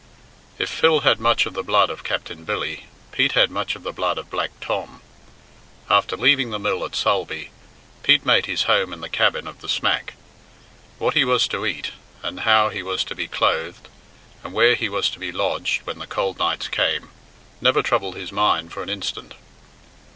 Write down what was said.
If Phil had much of the blood of Captain Billy, Pete had much of the blood of Black Tom. After leaving the mill at Sulby, Pete made his home in the cabin of the smack. What he was to eat, and how he was to be clothed, and where he was to be lodged when the cold nights came, never troubled his mind for an instant.